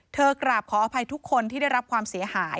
กราบขออภัยทุกคนที่ได้รับความเสียหาย